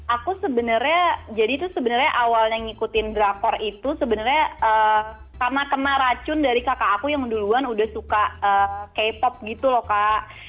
aku sebenarnya jadi itu sebenarnya awalnya ngikutin drakor itu sebenarnya karena kena racun dari kakak aku yang duluan udah suka k pop gitu loh kak